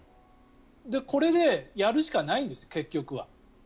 これでやるしかないんです結局は。